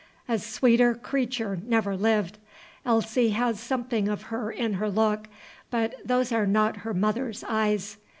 A sweeter creature never lived. Elsie has something of her in her look, but those are not her mother's eyes.